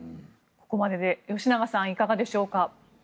ここまでで吉永さんいかがでしょうか。